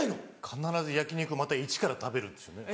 必ず焼肉をまたイチから食べるんですよね。